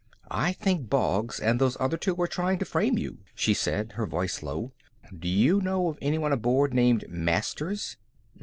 "I think Boggs and those other two are trying to frame you," she said, her voice low. "Do you know of anyone aboard named Masters?"